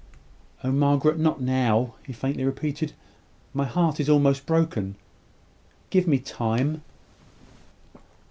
"Oh, Margaret, not now!" he faintly repeated. "My heart is almost broken! Give me time."